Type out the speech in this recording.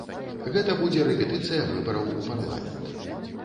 Гэта будзе рэпетыцыя выбараў у парламент.